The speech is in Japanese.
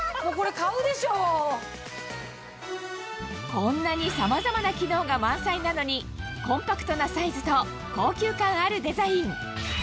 こんなにさまざまな機能が満載なのにコンパクトなサイズと高級感あるデザインなんですが。